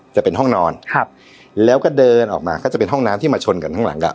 จะเป็นห้องนอนครับแล้วก็เดินออกมาก็จะเป็นห้องน้ำที่มาชนกันข้างหลังอ่ะ